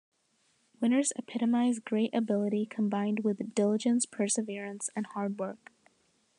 Winners epitomize great ability combined with diligence, perseverance, and hard work.